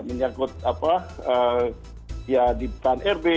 menyangkut apa ya di pan rb